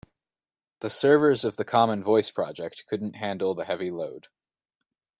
The servers of the common voice project couldn't handle the heavy load.